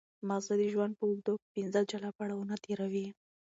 ماغزه د ژوند په اوږدو کې پنځه جلا پړاوونه تېروي.